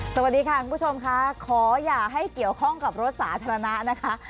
สวัสดีค่ะคุณผู้ชมค่ะขออย่าให้เกี่ยวข้องกับรถสาธารณะนะคะ